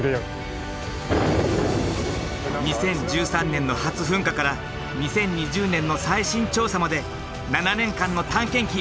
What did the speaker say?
２０１３年の初噴火から２０２０年の最新調査まで７年間の探検記。